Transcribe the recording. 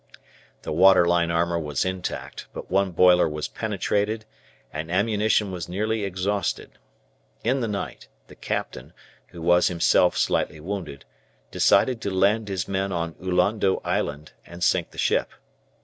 The water line armour was intact, but one boiler was penetrated and ammunition was nearly exhausted. In the night, the captain, who was himself slightly wounded, decided to land his men on Ullondo Island and sink the ship.